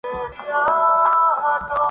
تعلق رکھنے والے